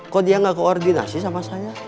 kok dia nggak koordinasi sama saya